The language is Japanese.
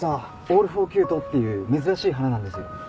オール４キュート＋っていう珍しい花なんですよ。